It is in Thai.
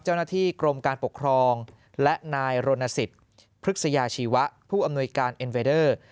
เจ้าหน้าที่กรมการปกครองและนายรณสิทธิ์พฤกษยาชีวะผู้อำนวยการเอ็นเวเดอร์